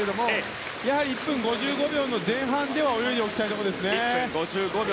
やはり１分５５秒の前半では泳いでおきたいところですね。